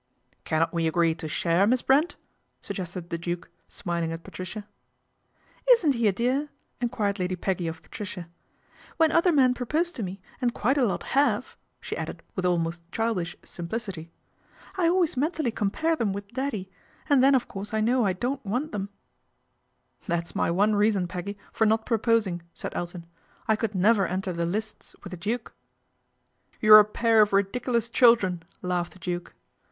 " Cannot we agree to share Miss Brent ?' suggested the Duke, smiling at Patricia. " Isn't he a dear ?" enquired Lady Peggy o Patricia. '' When other men propose to me, an< quite a lot have," she added with almost childisl simplicity, "I always mentally compare then with Daddy, and then of course I know I don' want them." LADY PEGGY MAKES A FRIEND 257 That is my one reason, Peggy, for not pro posing," said Elton. " I could never enter the ists with the Duke." You're a pair of ridiculous children," laughed e Duke.